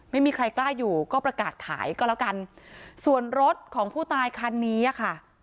ไม่มีใครกล้าอยู่ก็ประกาศขายก็แล้วกันส่วนรถของผู้ตายคันนี้อ่ะค่ะ